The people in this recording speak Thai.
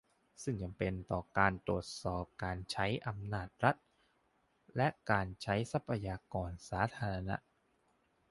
ซึ่งจำเป็นต่อการตรวจสอบการใช้อำนาจรัฐและการใช้ทรัพยากรสาธารณะ